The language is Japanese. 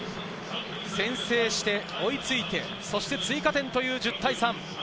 先制して追いついて、追加点という１０対３。